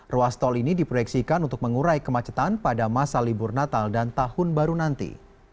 ruas tol ini diproyeksikan untuk mengurai kemacetan pada masa libur natal dan tahun baru nanti